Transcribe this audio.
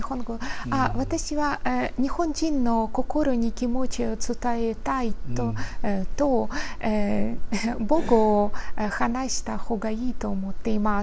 私は、日本人の心に気持ちを伝えたいと、母語を話したほうがいいと思っています。